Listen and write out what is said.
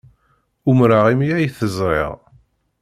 Umreɣ imi ay t-ẓriɣ.